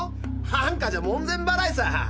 ハンカじゃ門前ばらいさ！